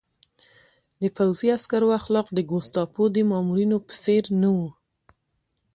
د پوځي عسکرو اخلاق د ګوستاپو د مامورینو په څېر نه وو